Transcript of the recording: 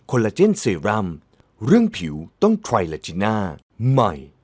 ใครอีกทีมาเห็นก็ต้องเบสได้